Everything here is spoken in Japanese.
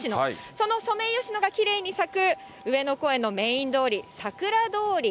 そのソメイヨシノがきれいに咲く上野公園のメイン通り、桜通り。